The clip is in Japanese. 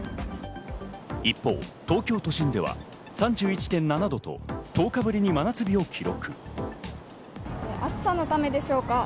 一方、東京都心では３１．７度と、１０日ぶりに真夏日を記録。